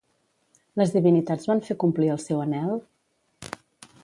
Les divinitats van fer complir el seu anhel?